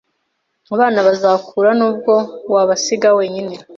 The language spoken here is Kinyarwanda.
Abana bazakura nubwo wabasiga wenyine